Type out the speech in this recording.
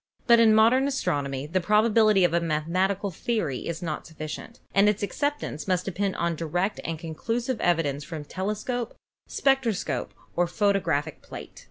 But in modern astronomy the probability of a mathematical theory is not sufficient, and its acceptance must depend upon direct and conclusive evi dence from telescope, spectroscope or photographic plate.